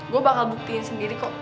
gue bakal buktiin sendiri kok